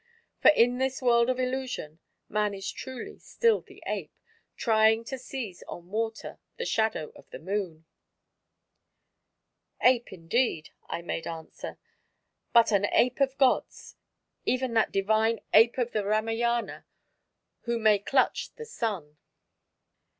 For in this world of illusion, man is truly still the ape, trying to seize on water the shadow of the Moon." "Ape indeed," I made answer, "but an ape of gods, even that divine Ape of the Ramayana who may clutch the Sun!"